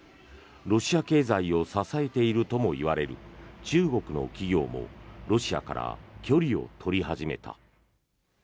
ロシア経済を支えているともいわれる中国の企業もロシアから距離を取り始めた。